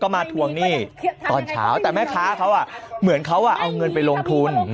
มาทวงหนี้ตอนเช้าแต่แม่ค้าเขาเหมือนเขาเอาเงินไปลงทุน